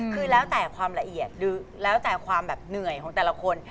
คือแล้วแต่ความละเอียดหรือแล้วแต่ความแบบเหนื่อยของแต่ละคน